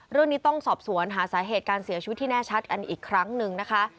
เรื่องนี้ต้องสอบสวนหาสาเหตุการเสียชีวิตที่แน่ชัดอันนี้อีกครั้งหนึ่งนะคะ